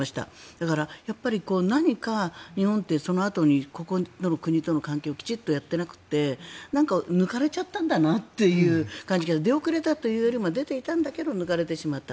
だから、やっぱり何か日本ってそのあとにここの国との関係をきちんとやってなくて抜かれちゃったんだなという感じが出遅れたというよりも出ていたんだけど抜かれてしまった。